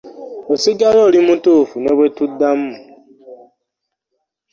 Osigala oli mutuufu ne bwe tuddamu.